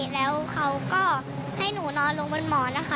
แล้วเขาก็ให้หนูนอนลงบนหมอนนะคะ